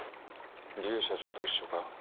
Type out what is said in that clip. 劉社長と一緒か？